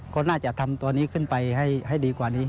ก็น่าจะทำตัวนี้ขึ้นไปให้ดีกว่านี้